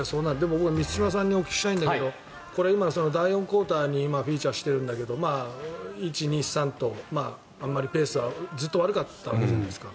僕は満島さんにお聞きしたいんだけどこれは第４クオーターにフィーチャーしているんだけど１、２、３とあまりペースはずっと悪かったわけじゃないですか。